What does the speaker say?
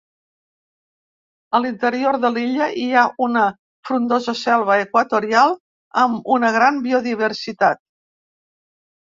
A l'interior de l'illa hi ha una frondosa selva equatorial amb una gran biodiversitat.